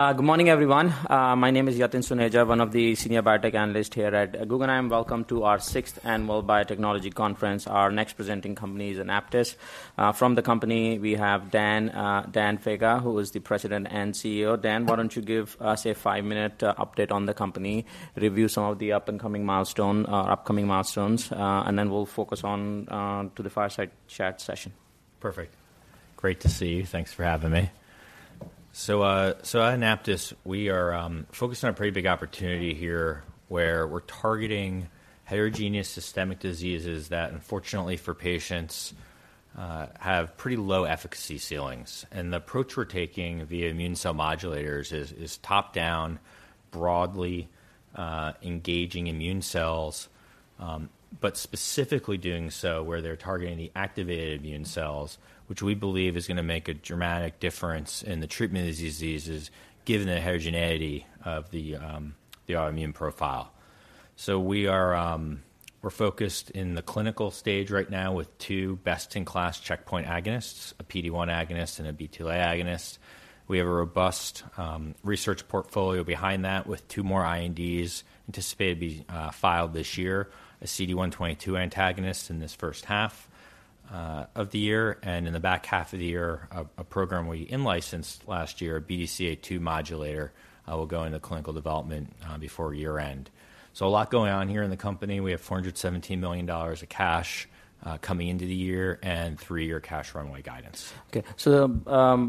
Good morning, everyone. My name is Yatin Suneja, one of the senior biotech analysts here at Guggenheim. Welcome to our sixth Annual Biotechnology Conference. Our next presenting company is Anaptys. From the company, we have Dan, Dan Faga, who is the President and CEO. Dan, why don't you give us a five-minute update on the company, review some of the up-and-coming milestone, upcoming milestones, and then we'll focus on to the fireside chat session. Perfect. Great to see you. Thanks for having me. So, so at Anaptys, we are, focused on a pretty big opportunity here, where we're targeting heterogeneous systemic diseases that, unfortunately for patients, have pretty low efficacy ceilings. And the approach we're taking via immune cell modulators is, top-down, broadly, engaging immune cells, but specifically doing so where they're targeting the activated immune cells, which we believe is gonna make a dramatic difference in the treatment of these diseases, given the heterogeneity of the, the autoimmune profile. So we are... We're focused in the clinical stage right now with two best-in-class checkpoint agonists, a PD-1 agonist and a BTLA agonist. We have a robust research portfolio behind that, with two more INDs anticipated to be filed this year, a CD122 antagonist in this first half of the year, and in the back half of the year, a program we in-licensed last year, a BDCA-2 modulator, will go into clinical development before year-end. So a lot going on here in the company. We have $417 million of cash coming into the year and three year cash runway guidance. Okay. So,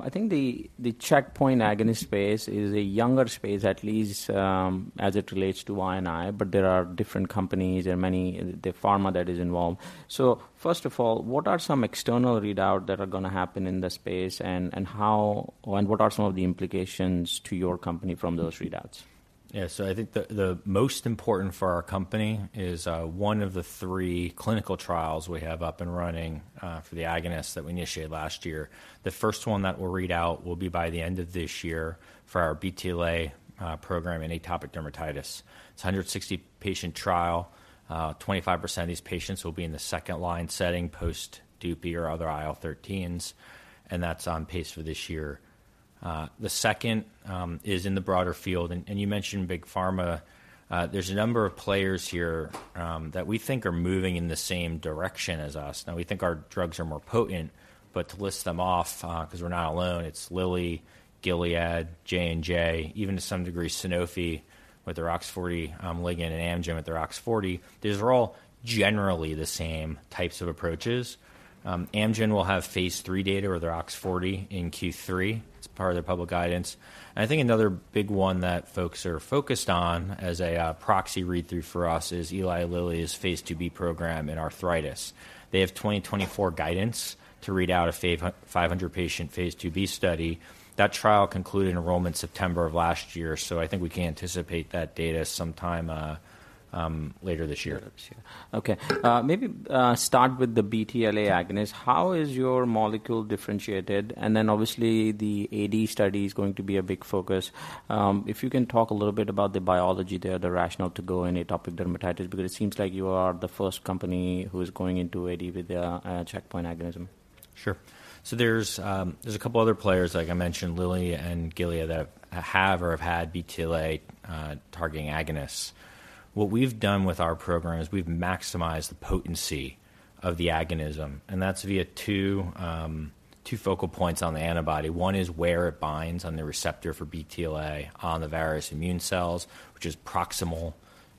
I think the checkpoint agonist space is a younger space, at least, as it relates to I&I, but there are different companies and many, the pharma that is involved. So first of all, what are some external readouts that are gonna happen in the space, and how... And what are some of the implications to your company from those readouts? Yeah. So I think the most important for our company is one of the three clinical trials we have up and running for the agonist that we initiated last year. The first one that we'll read out will be by the end of this year for our BTLA program in atopic dermatitis. It's a 160 patient trial. Twenty-five percent of these patients will be in the second line setting, post-Dupi or other IL-13s, and that's on pace for this year. The second is in the broader field, and you mentioned big pharma. There's a number of players here that we think are moving in the same direction as us. Now, we think our drugs are more potent, but to list them off, 'cause we're not alone, it's Lilly, Gilead, J&J, even to some degree, Sanofi with OX-40 ligand and Amgen with their OX-40. These are all generally the same types of approaches. Amgen will have phase III data with their OX-40 in Q3. It's part of their public guidance. And I think another big one that folks are focused on as a proxy read-through for us is Eli Lilly's phase IIb program in arthritis. They have 2024 guidance to read out a 500 patient phase IIb study. That trial concluded enrollment September of last year, so I think we can anticipate that data sometime later this year. Okay. Maybe start with the BTLA agonist. How is your molecule differentiated? And then obviously, the AD study is going to be a big focus. If you can talk a little bit about the biology there, the rationale to go in atopic dermatitis, because it seems like you are the first company who is going into AD with a checkpoint agonism. Sure. So there's a couple other players, like I mentioned, Lilly and Gilead, that have or have had BTLA targeting agonists. What we've done with our program is we've maximized the potency of the agonism, and that's via two focal points on the antibody. One is where it binds on the receptor for BTLA on the various immune cells, which is proximal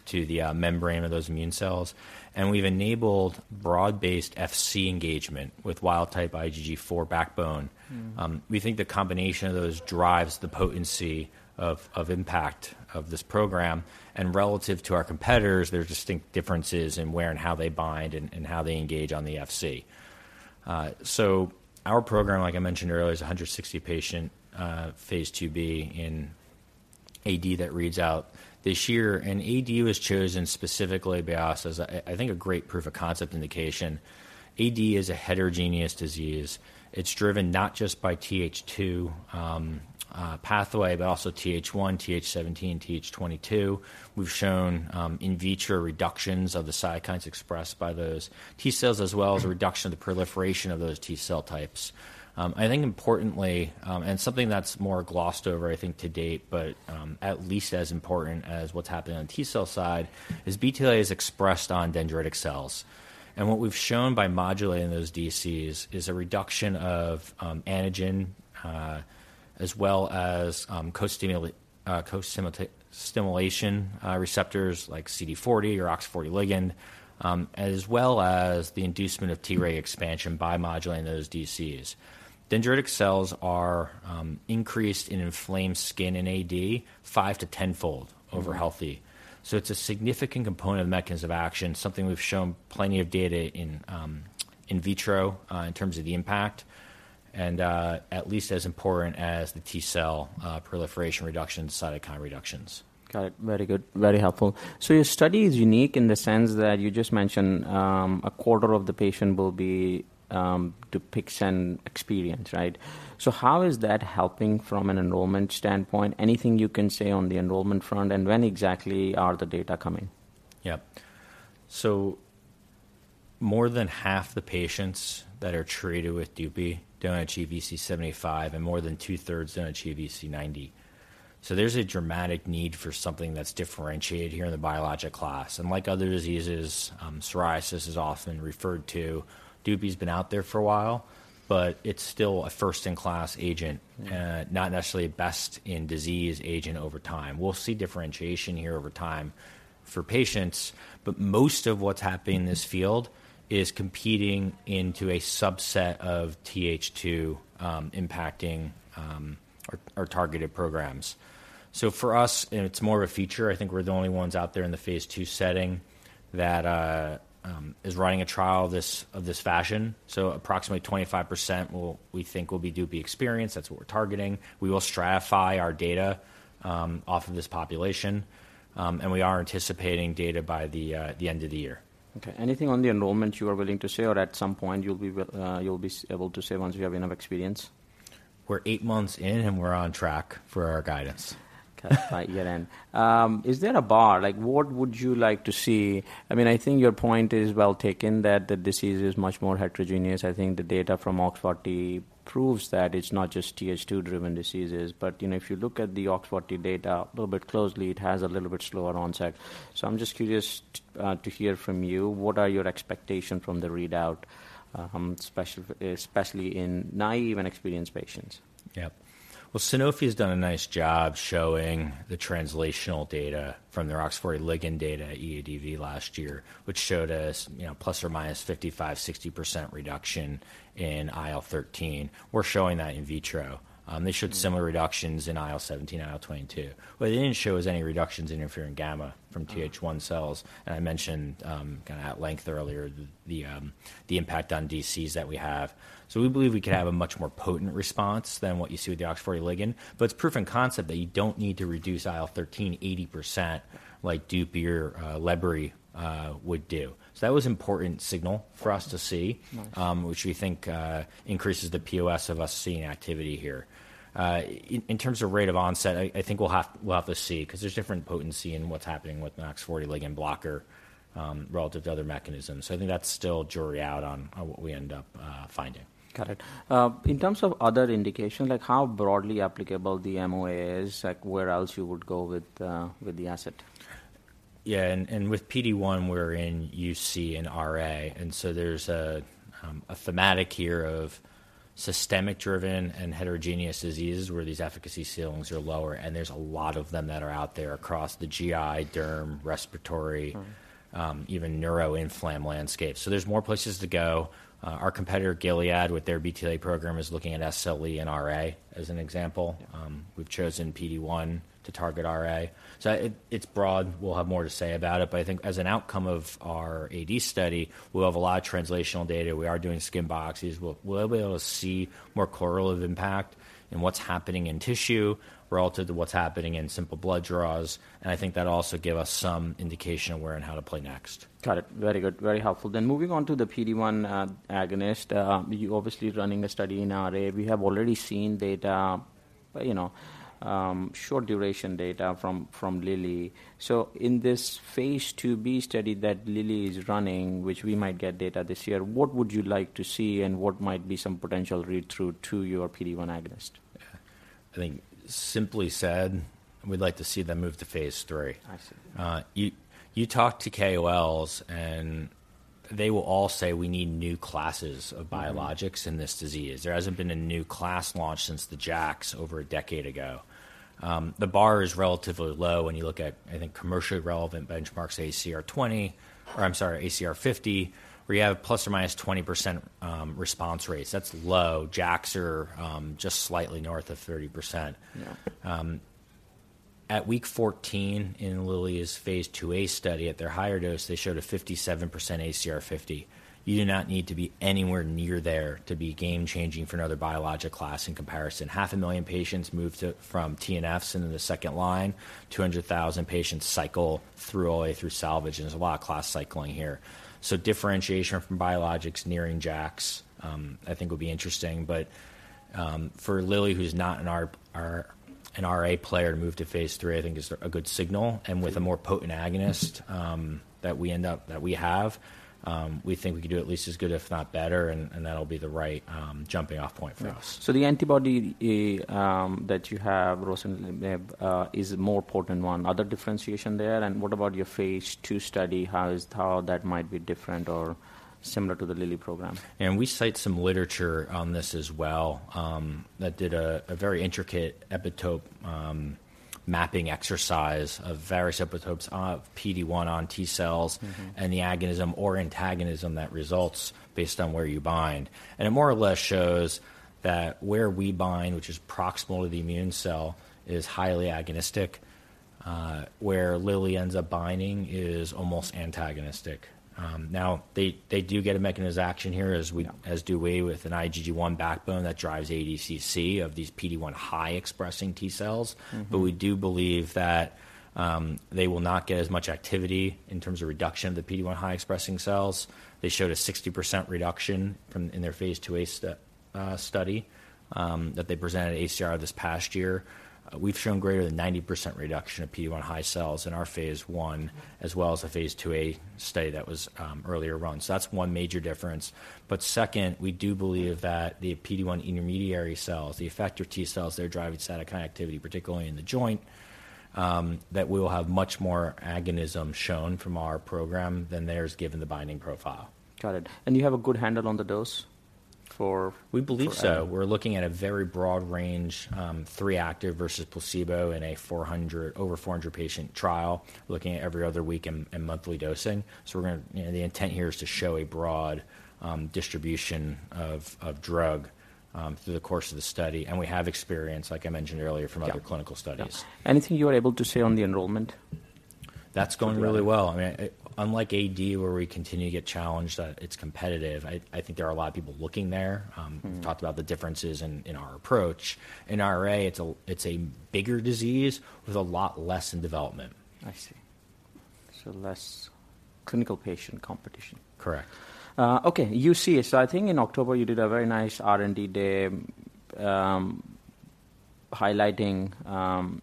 to the membrane of those immune cells. And we've enabled broad-based Fc engagement with wild-type IgG4 backbone. Mm-hmm. We think the combination of those drives the potency of impact of this program, and relative to our competitors, there are distinct differences in where and how they bind and how they engage on the Fc. So our program, like I mentioned earlier, is a 160 patient phase IIb in AD that reads out this year. AD was chosen specifically by us as a, I think, a great proof of concept indication. AD is a heterogeneous disease. It's driven not just by Th2 pathway, but also Th1, Th17, Th22. We've shown in vitro reductions of the cytokines expressed by those T cells, as well as a reduction in the proliferation of those T cell types. I think importantly, and something that's more glossed over, I think, to date, but, at least as important as what's happening on the T cell side, is BTLA is expressed on dendritic cells. And what we've shown by modulating those DCs is a reduction of, antigen, as well as, co-stimulatory stimulation, receptors like CD40 or OX-40 ligand, as well as the inducement of T-reg expansion by modulating those DCs. Dendritic cells are, increased in inflamed skin in AD 5- to 10-fold- Mm-hmm. - over healthy. So it's a significant component of mechanism of action, something we've shown plenty of data in, in vitro, in terms of the impact, and, at least as important as the T cell, proliferation reduction, cytokine reductions. Got it. Very good. Very helpful. So your study is unique in the sense that you just mentioned, a quarter of the patient will be, topical experience, right? So how is that helping from an enrollment standpoint? Anything you can say on the enrollment front, and when exactly are the data coming? Yeah. So, more than half the patients that are treated with DUPI don't achieve EASI-75, and more than two-thirds don't achieve EASI-90. So there's a dramatic need for something that's differentiated here in the biologic class. And like other diseases, psoriasis is often referred to. DUPI's been out there for a while, but it's still a first-in-class agent, not necessarily a best-in-disease agent over time. We'll see differentiation here over time for patients, but most of what's happening in this field is competing into a subset of TH2, impacting our targeted programs. So for us, it's more of a feature. I think we're the only ones out there in the phase 2 setting that is running a trial of this fashion. So approximately 25% will, we think, be DUPI experience. That's what we're targeting. We will stratify our data off of this population, and we are anticipating data by the end of the year. Okay. Anything on the enrollment you are willing to say, or at some point, you'll be able to say once we have enough experience? We're eight months in, and we're on track for our guidance. Got it, right, year-end. Is there a bar? Like, what would you like to see? I mean, I think your point is well taken, that the disease is much more heterogeneous. I think the data from OX40 proves that it's not just TH2-driven diseases. But, you know, if you look at the OX40 data a little bit closely, it has a little bit slower onset. So I'm just curious to hear from you, what are your expectation from the readout, especially in naive and experienced patients? Yeah. Well, Sanofi has done a nice job showing the translational data from their OX-40 ligand data at EADV last year, which showed us, you know, ±55%-60% reduction in IL-13. We're showing that in vitro. They showed- Mm. -similar reductions in IL-17, IL-22. What they didn't show is any reductions in interferon gamma from Th1 cells. Mm. I mentioned, kinda at length earlier, the impact on DCs that we have. So we believe we could have a much more potent response than what you see with the OX-40 ligand. But it's proof of concept that you don't need to reduce IL-13 80% like DUPI or Lebri would do. So that was important signal for us to see- Nice. which we think increases the POS of us seeing activity here. In terms of rate of onset, I think we'll have to see, 'cause there's different potency in what's happening with an OX-40 ligand blocker relative to other mechanisms. So I think that's still jury out on what we end up finding. Got it. In terms of other indication, like how broadly applicable the MOA is, like where else you would go with the, with the asset? Yeah, and with PD-1, we're in UC and RA. So there's a thematic here of systemic-driven and heterogeneous diseases where these efficacy ceilings are lower, and there's a lot of them that are out there across the GI, derm, respiratory- Mm-hmm. Even neuroinflammatory landscape. So there's more places to go. Our competitor, Gilead, with their BTLA program, is looking at SLE and RA as an example. We've chosen PD-1 to target RA. So it, it's broad. We'll have more to say about it, but I think as an outcome of our AD study, we'll have a lot of translational data. We are doing skin biopsies. We'll be able to see more correlative impact in what's happening in tissue related to what's happening in simple blood draws, and I think that'll also give us some indication of where and how to play next. Got it. Very good, very helpful. Then moving on to the PD-1 agonist. You're obviously running a study in RA. We have already seen data, you know, short-duration data from, from Lilly. So in this phase IIb study that Lilly is running, which we might get data this year, what would you like to see, and what might be some potential read-through to your PD-1 agonist? I think simply said, we'd like to see them move to phase III. I see. You talk to KOLs, and they will all say we need new classes of biologics. Mm-hmm. In this disease. There hasn't been a new class launched since the JAKs over a decade ago. The bar is relatively low when you look at, I think, commercially relevant benchmarks, ACR 20, or I'm sorry, ACR 50, where you have ±20% response rates. That's low. JAKs are just slightly north of 30%. Yeah. At week 14 in Lilly's phase IIa study, at their higher dose, they showed a 57% ACR50. You do not need to be anywhere near there to be game-changing for another biologic class in comparison. 500,000 patients moved to, from TNFs into the second line, 200,000 patients cycle through MOAs, through salvage, and there's a lot of class cycling here. So differentiation from biologics nearing JAKs, I think will be interesting. But, for Lilly, who's not an RA player, to move to phase III, I think is a good signal. Mm. With a more potent agonist that we have, we think we can do at least as good, if not better, and that'll be the right jumping-off point for us. So the antibody, that you have, rosnilimab, is a more potent one. Other differentiation there, and what about your phase II study? How that might be different or similar to the Lilly program? We cite some literature on this as well, that did a very intricate epitope mapping exercise of various epitopes of PD-1 on T cells- Mm-hmm. -and the agonism or antagonism that results based on where you bind. And it more or less shows that where we bind, which is proximal to the immune cell, is highly agonistic. Where Lilly ends up binding is almost antagonistic. Now, they, they do get a mechanism action here, as we- Yeah... as do we with an IgG1 backbone that drives ADCC of these PD-1 high-expressing T cells. Mm-hmm. But we do believe that, they will not get as much activity in terms of reduction of the PD-1 high-expressing cells. They showed a 60% reduction from, in their phase 2a study, that they presented at ACR this past year. We've shown greater than 90% reduction of PD-1 high cells in our phase 1, as well as the phase 2a study that was, earlier run. So that's one major difference. But second, we do believe that the PD-1 intermediary cells, the effector T-cells, they're driving cytokine activity, particularly in the joint, that we will have much more agonism shown from our program than theirs, given the binding profile. Got it. And you have a good handle on the dose for- We believe so. We're looking at a very broad range, three active versus placebo in a 400-, over 400-patient trial, looking at every other week and monthly dosing. So we're gonna... You know, the intent here is to show a broad distribution of drug through the course of the study, and we have experience, like I mentioned earlier, from other- Yeah... clinical studies. Yeah. Anything you are able to say on the enrollment? That's going really well. I mean, unlike AD, where we continue to get challenged, it's competitive. I think there are a lot of people looking there. Mm-hmm. Talked about the differences in our approach. In RA, it's a bigger disease with a lot less in development. I see. So less clinical patient competition? Correct. Okay, UC. So I think in October, you did a very nice R&D day, highlighting the mechanism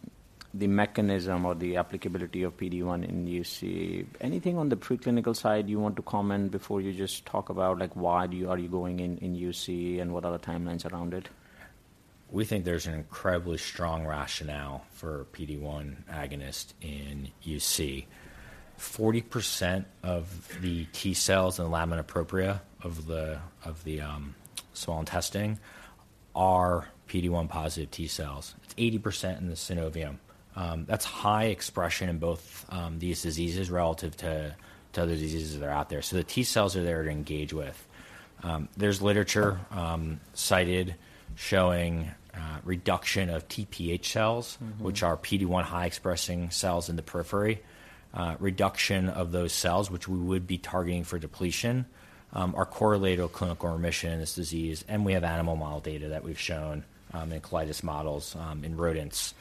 or the applicability of PD-1 in UC. Anything on the preclinical side you want to comment before you just talk about, like, are you going in UC, and what are the timelines around it? We think there's an incredibly strong rationale for PD-1 agonist in UC. 40% of the T-cells in the lamina propria of the swollen tissue are PD-1 positive T-cells. It's 80% in the synovium. That's high expression in both these diseases relative to other diseases that are out there. So the T-cells are there to engage with. There's literature cited showing reduction of TPH cells- Mm-hmm... which are PD-1 high-expressing cells in the periphery. Reduction of those cells, which we would be targeting for depletion, are correlated with clinical remission in this disease, and we have animal model data that we've shown, in colitis models, in rodents,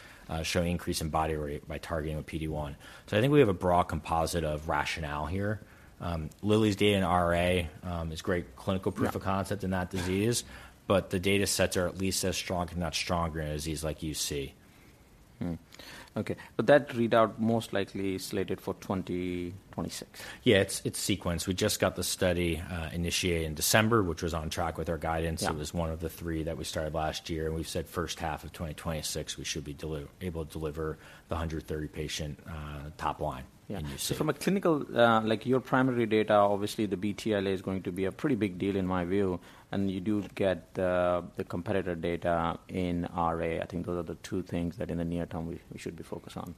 showing increase in body weight by targeting with PD-1. So I think we have a broad composite of rationale here. Lilly's data in RA is great clinical proof- Yeah... of concept in that disease, but the data sets are at least as strong, if not stronger, in a disease like UC. Okay, but that readout most likely is slated for 2026? Yeah, it's sequenced. We just got the study initiated in December, which was on track with our guidance. Yeah. It was one of the three that we started last year, and we've said first half of 2026, we should be able to deliver the 130-patient top line- Yeah... in UC. So from a clinical, like your primary data, obviously the BTLA is going to be a pretty big deal in my view, and you do get the competitor data in RA. I think those are the two things that in the near term, we should be focused on.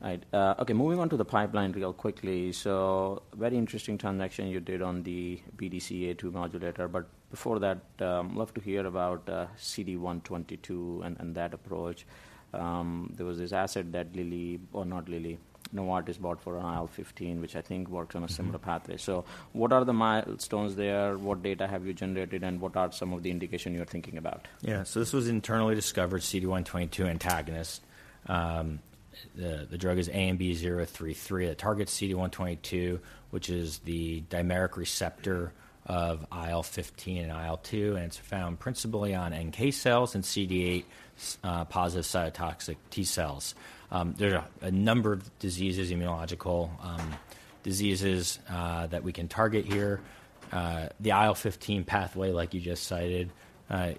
Right, okay, moving on to the pipeline real quickly. So very interesting transaction you did on the BDCA2 modulator, but before that, love to hear about CD122 and that approach. There was this asset that Lilly, or not Lilly, Novartis, bought for IL-15, which I think works on a similar pathway. Mm-hmm. So what are the milestones there? What data have you generated, and what are some of the indication you're thinking about? Yeah. So this was internally discovered CD122 antagonist. The drug is ANB033. It targets CD122, which is the dimeric receptor of IL-15 and IL-2, and it's found principally on NK cells and CD8 positive cytotoxic T cells. There are a number of diseases, immunological diseases, that we can target here. The IL-15 pathway, like you just cited,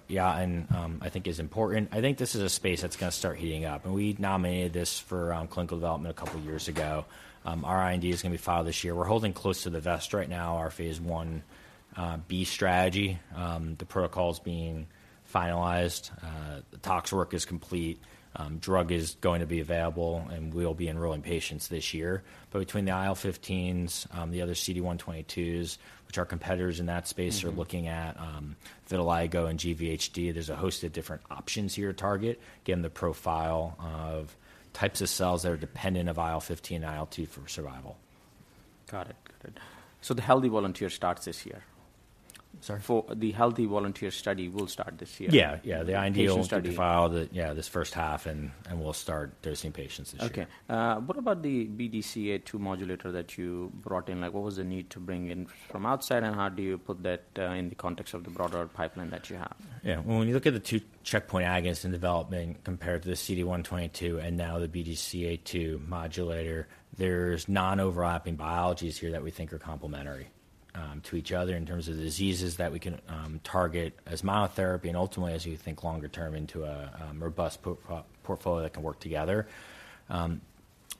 yeah, and I think is important. I think this is a space that's gonna start heating up, and we nominated this for clinical development a couple years ago. Our IND is gonna be filed this year. We're holding close to the vest right now, our phase Ib strategy. The protocol's being finalized, the tox work is complete, drug is going to be available, and we'll be enrolling patients this year. But between the IL-15s, the other CD122s, which our competitors in that space- Mm-hmm... are looking at vitiligo and GVHD, there's a host of different options here to target, again, the profile of types of cells that are dependent of IL-15 and IL-2 for survival. Got it. Got it. So the healthy volunteer starts this year? Sorry? The healthy volunteer study will start this year? Yeah, yeah. The patient study. The IND will be filed, yeah, this first half, and, and we'll start dosing patients this year. Okay. What about the BDCA2 modulator that you brought in? Like, what was the need to bring in from outside, and how do you put that in the context of the broader pipeline that you have? Yeah. Well, when you look at the two checkpoint agonists in development compared to the CD122 and now the BDCA2 modulator, there's non-overlapping biologies here that we think are complementary to each other in terms of the diseases that we can target as monotherapy and ultimately, as you think longer term, into a robust portfolio that can work together.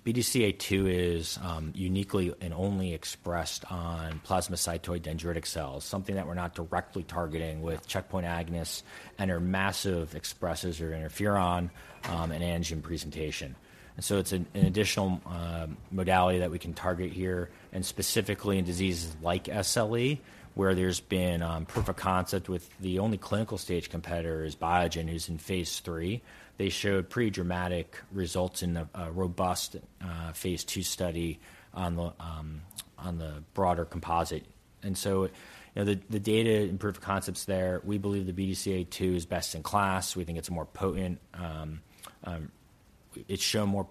BDCA2 is uniquely and only expressed on plasmacytoid dendritic cells, something that we're not directly targeting with checkpoint agonists and are massive expressers of interferon and antigen presentation. And so it's an additional modality that we can target here, and specifically in diseases like SLE, where there's been proof of concept with the only clinical stage competitor is Biogen, who's in phase III. They showed pretty dramatic results in a robust phase II study on the broader composite. And so, you know, the data and proof of concepts there, we believe the BDCA2 is best in class. We think it's a more potent it's shown more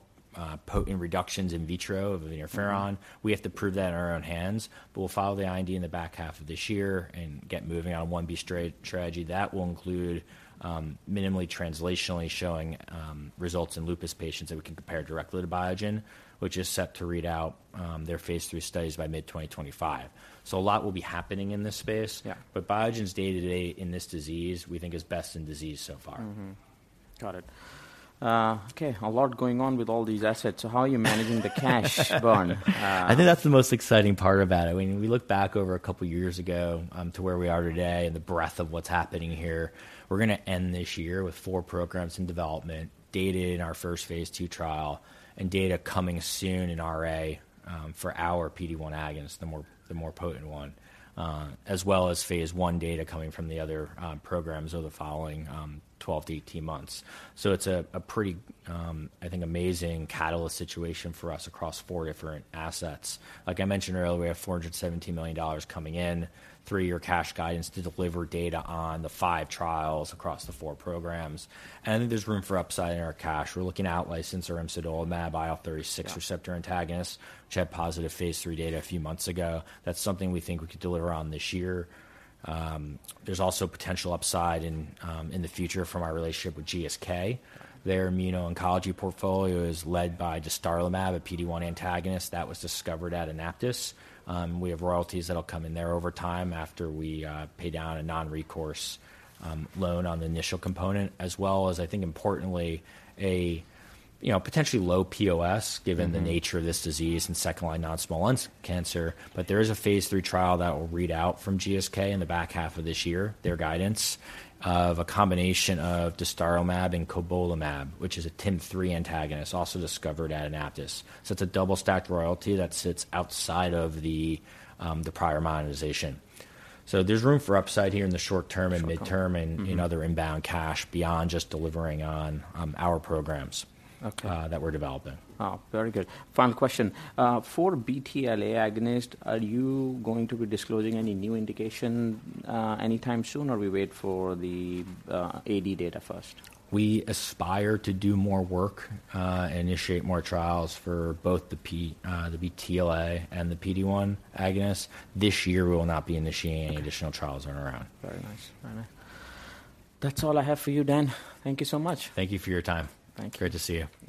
potent reductions in vitro of interferon. We have to prove that in our own hands, but we'll file the IND in the back half of this year and get moving on ANB101 strategy. That will include minimally translationally showing results in lupus patients that we can compare directly to Biogen, which is set to read out their phase III studies by mid-2025. So a lot will be happening in this space. Yeah. But Biogen's data to date in this disease, we think, is best-in-class so far. Mm-hmm. Got it. Okay, a lot going on with all these assets. So how are you managing the cash burn? I think that's the most exciting part about it. When we look back over a couple of years ago, to where we are today and the breadth of what's happening here, we're gonna end this year with 4 programs in development, data in our first phase II trial, and data coming soon in RA, for our PD-1 agonist, the more, the more potent one, as well as phase I data coming from the other, programs over the following, 12-18 months. So it's a, a pretty, I think, amazing catalyst situation for us across 4 different assets. Like I mentioned earlier, we have $417 million coming in, three-year cash guidance to deliver data on the 5 trials across the 4 programs, and I think there's room for upside in our cash. We're looking to out-license imsidolimab, IL-36 receptor antagonist, which had positive Phase III data a few months ago. That's something we think we could deliver on this year. There's also potential upside in the future from our relationship with GSK. Their immuno-oncology portfolio is led by dostarlimab, a PD-1 antagonist that was discovered at Anaptys. We have royalties that'll come in there over time after we pay down a non-recourse loan on the initial component, as well as, I think, importantly, a you know, potentially low POS, given the nature of this disease and second-line non-small cell cancer. But there is a Phase III trial that will read out from GSK in the back half of this year, their guidance of a combination of dostarlimab and cobolimab, which is a TIM-3 antagonist, also discovered at Anaptys. So it's a double-stacked royalty that sits outside of the, the prior monetization. So there's room for upside here in the short term and mid-term- Okay. Mm-hmm. and other inbound cash beyond just delivering on our programs Okay. that we're developing. Oh, very good. Final question. For BTLA agonist, are you going to be disclosing any new indication anytime soon, or we wait for the AD data first? We aspire to do more work, and initiate more trials for both the BTLA and the PD-1 agonist. This year, we will not be initiating any additional trials around. Very nice. All right. That's all I have for you, Dan. Thank you so much. Thank you for your time. Thank you. Great to see you.